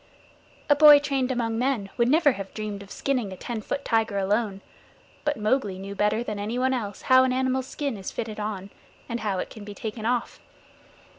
A boy trained among men would never have dreamed of skinning a ten foot tiger alone, but Mowgli knew better than anyone else how an animal's skin is fitted on, and how it can be taken off.